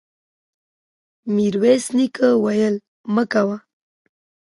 ميرويس نيکه وويل: مه کوه!